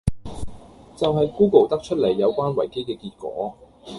就係 Google 得出黎有關維基既結果